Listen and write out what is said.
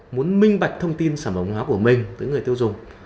muốn minh bạch thông tin sản phẩm hóa của mình tới người tiêu dùng